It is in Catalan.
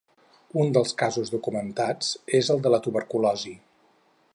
Un dels casos documentats és el de la tuberculosi.